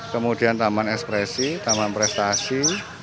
kemudian taman ekspresi taman prestasi